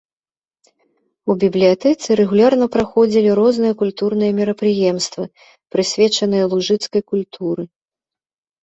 У бібліятэцы рэгулярна праходзілі розныя культурныя мерапрыемствы, прысвечаныя лужыцкай культуры.